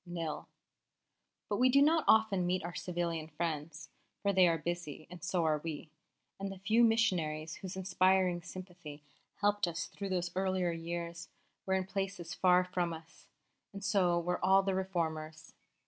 Nil." But we do not often meet our civilian friends, for they are busy, and so are we; and the few missionaries whose inspiring sympathy helped us through those earlier years were in places far from us, and so were all the Reformers.